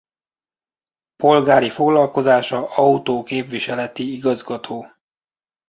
Polgári foglalkozása autó-képviseleti igazgató.